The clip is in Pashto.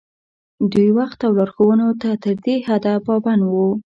دوی وخت او لارښوونو ته تر دې حده پابند وو.